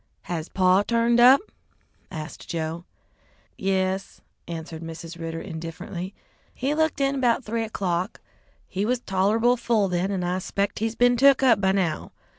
"Has paw turned up?" asked Joe. "Yes," answered Mrs. Ridder indifferently. "He looked in 'bout three o'clock. He was tolerable full then, and I 'spec he's been took up by now.